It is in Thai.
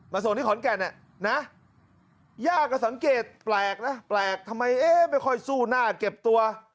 มาส่งที่ขอนแก่นเนี่ยยากจะสังเกตแปลกนะทำไมไม่ค่อยสู้หน้าเก็บตัว